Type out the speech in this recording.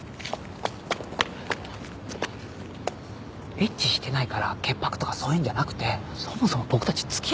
エッチしてないから潔白とかそういうんじゃなくてそもそも僕たち付き合ってないじゃないか。